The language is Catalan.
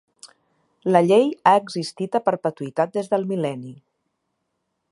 La llei ha existit a perpetuïtat des del mil·lenni.